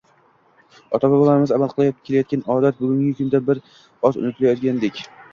Ota-boblarimiz amal qilib kelgan odat bugungi kunda bir oz unutilayozgandek.